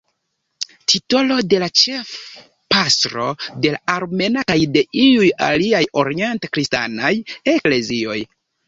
Titolo de la ĉefpastro de la armena kaj de iuj aliaj orient-kristanaj eklezioj.